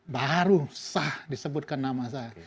baru sah disebutkan nama saya